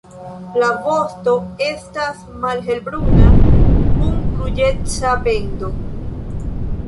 La vosto estas malhelbruna, kun ruĝeca bendo.